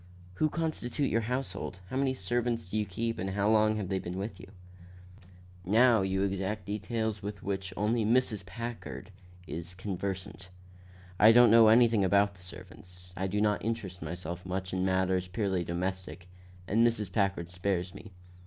"Who constitute your household? How many servants do you keep and how long have they been with you?" "Now you exact details with which only Mrs. Packard is conversant. I don't know anything about the servants. I do not interest myself much in matters purely domestic, and Mrs. Packard spares me.